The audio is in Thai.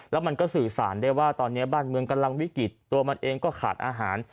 แล้วมันก็สื่อสารได้ว่าตอนนี้บ้านเมืองกำลังวิกฤตตัวมันเองก็ขาดอาหาร